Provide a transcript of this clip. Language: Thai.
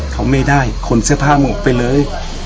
เขาไม่ได้ขนเสื้อผ้าหมดไปเลย